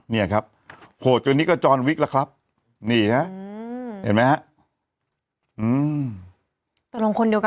เนี่ยครับโขดอันนี้ก็จรวิกแล้วครับนี่เห็นไหมฮะ